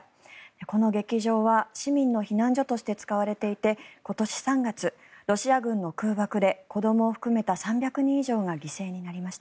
この劇場は市民の避難所として使われていて今年３月、ロシア軍の空爆で子どもを含めた３００人以上が犠牲になりました。